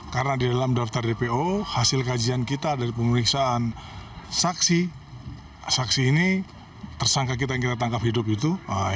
karena di dalam daftar dpo hasil kajian kita dari pemeriksaan saksi saksi ini tersangka kita yang kita tangkap hidup itu